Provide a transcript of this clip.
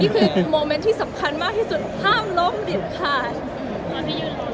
นี่คือโมเมนท์ที่สำคัญมากที่สุดห้ามล้มหลีบผ่าน